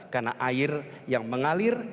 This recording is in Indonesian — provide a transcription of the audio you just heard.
karena air yang mengalir